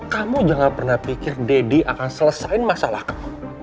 kamu jangan pernah pikir deddy akan selesain masalah kamu